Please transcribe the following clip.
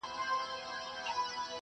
کار ته وقفه ورکول ګټور دي.